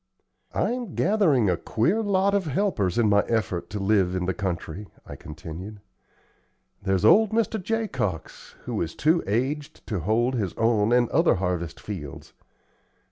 "I'm gathering a queer lot of helpers in my effort to live in the country," I continued. "There's old Mr. Jacox, who is too aged to hold his own in other harvest fields.